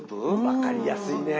分かりやすいね。